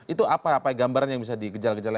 itu apa gambarnya yang bisa dikejala gejala